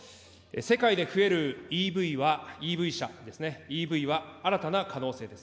世界で増えるＥＶは、ＥＶ車ですね、ＥＶは新たな可能性です。